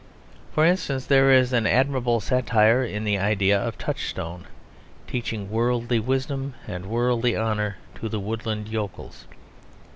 For instance, there is admirable satire in the idea of Touchstone teaching worldly wisdom and worldly honour to the woodland yokels.